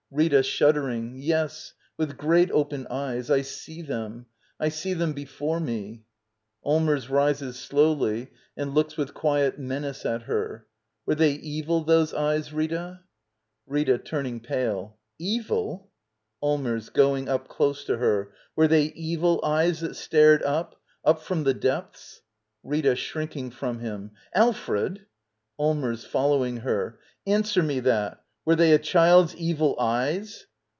Rita. [Shuddering.] Yes, with great, open eyes. I see them! I see them before, me! Allmers. [Rises slowly and looks with quiet menace at her.] Were they evil, those eyes, Rita? Rita. [Turning pale.] Evil —! Allmers. [Going up close to her.] Were they evil eyes that stared up? Up from the depths? Rita. [Shrinking from him.] Alfred —! Allmers. [Following her.] Answer me that! Were they a child's evil eyes?